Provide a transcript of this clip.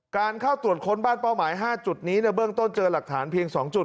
การเข้าตรวจค้นบ้านเป้าหมาย๕จุดนี้ในเบื้องต้นเจอหลักฐานเพียง๒จุด